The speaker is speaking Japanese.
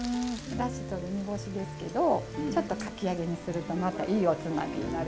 だしとる煮干しですけどちょっとかき揚げにするとまたいいおつまみになるかなって。